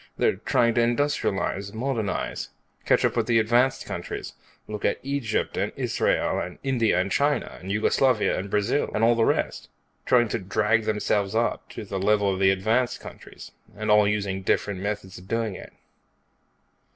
They're trying to industrialize, modernize, catch up with the advanced countries. Look at Egypt, and Israel, and India and China, and Yugoslavia and Brazil, and all the rest. Trying to drag themselves up to the level of the advanced countries, and all using different methods of doing it.